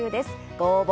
ご応募